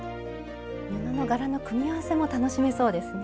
布の柄の組み合わせも楽しめそうですね。